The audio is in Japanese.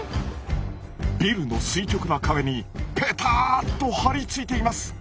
ビルの垂直な壁にぺたっと張り付いています。